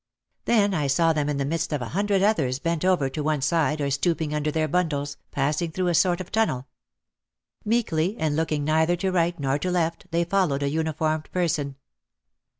Then I saw them in the midst of a hundred others bent over to one side or stooping under their bundles, passing through a sort of tunnel. Meekly, and looking neither to right nor to left, they followed a uniformed person.